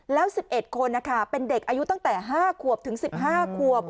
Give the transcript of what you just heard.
แล้ว๑๑คนเป็นเด็กอายุตั้งแต่๕ขวบถึง๑๕ขวบ